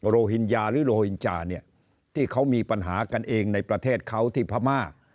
หิญญาหรือโรหินจาเนี่ยที่เขามีปัญหากันเองในประเทศเขาที่พม่า